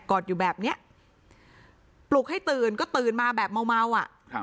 อดอยู่แบบเนี้ยปลุกให้ตื่นก็ตื่นมาแบบเมาเมาอ่ะครับ